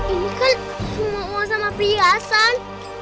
ini kan semua sama perhiasan